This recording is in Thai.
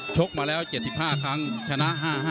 กมาแล้ว๗๕ครั้งชนะ๕๕